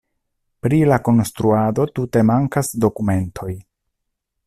Pri la konstruado tute mankas dokumentoj.